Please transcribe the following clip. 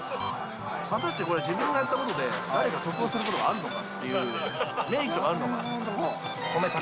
果たしてこれは自分がやったことで誰か得をすることがあるのかっていう、メリットはあるのか。